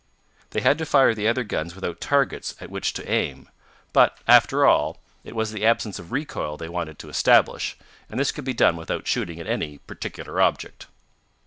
They had to fire the other guns without targets at which to aim. But, after all, it was the absence of recoil they wanted to establish, and this could be done without shooting at any particular object.